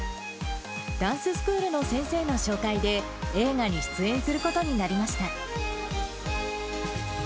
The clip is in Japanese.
ダンススクールの先生の紹介で、映画に出演することになりました。